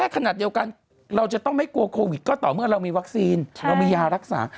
ขนาดเดียวกันเราจะต้องไม่กลัวโควิดก็ต่อเมื่อเรามีวัคซีนเรามียารักษา